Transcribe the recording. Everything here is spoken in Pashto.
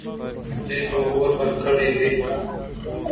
دوی به اور بل کړی وي.